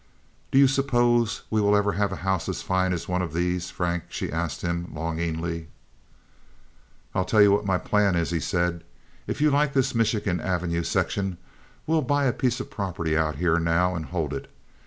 "Do you suppose we will ever have a house as fine as one of these, Frank?" she asked him, longingly. "I'll tell you what my plan is," he said. "If you like this Michigan Avenue section we'll buy a piece of property out here now and hold it.